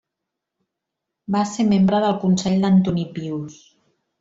Va ser membre del consell d'Antoní Pius.